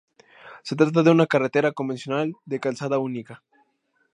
Se trata de una carretera convencional de calzada única.